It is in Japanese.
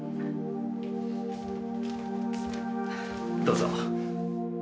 どうぞ。